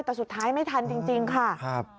แต่สุดท้ายไม่ทันจริงค่ะ